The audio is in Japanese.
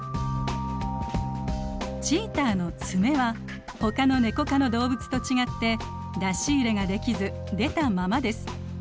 チーターの爪はほかのネコ科の動物と違って出し入れができず出たままです。